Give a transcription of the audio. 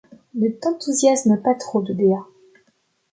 Ne t’enthousiasme pas trop de Dea.